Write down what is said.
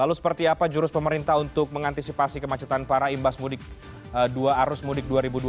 lalu seperti apa jurus pemerintah untuk mengantisipasi kemacetan para imbas mudik dua arus mudik dua ribu dua puluh